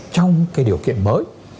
trong cái điều kiện mới